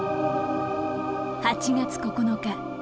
８月９日。